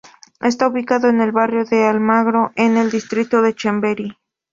Está ubicado en el barrio de Almagro, en el distrito de Chamberí.